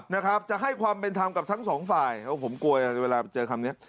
นะครับจะให้ความเป็นธรรมกับทั้งสองฝ่ายเพราะผมกลัวเวลาเจอคำเนี้ย